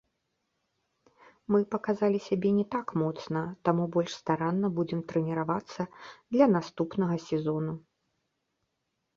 Мы паказалі сябе не так моцна, таму больш старанна будзем трэніравацца для наступнага сезону.